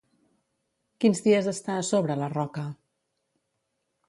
Quins dies està a sobre la roca?